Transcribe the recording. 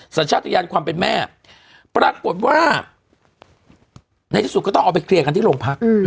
สัญชาติยานความเป็นแม่ปรากฏว่าในที่สุดก็ต้องเอาไปเคลียร์กันที่โรงพัก